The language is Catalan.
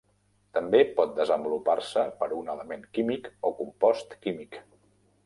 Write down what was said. També pot desenvolupar-se per un element químic o compost químic.